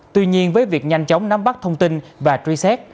tuy nhiên với việc nhanh chóng nắm bắt thông tin và truy xét